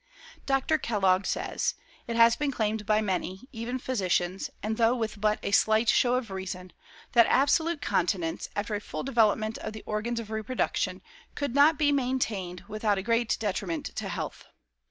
Dr. Kellogg says: "It has been claimed by many, even physicians, and though with but a slight show of reason, that absolute continence, after a full development of the organs of reproduction, could not be maintained without a great detriment to health.